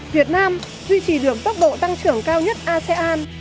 việt nam duy trì được tốc độ tăng trưởng cao nhất asean